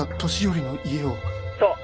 そう！